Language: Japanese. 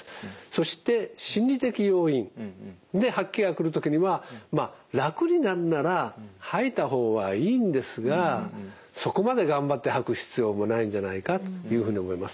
そして心理的要因で吐き気が来る時には楽になるなら吐いた方はいいんですがそこまで頑張って吐く必要もないんじゃないかというふうに思います。